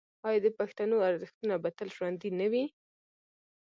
آیا د پښتنو ارزښتونه به تل ژوندي نه وي؟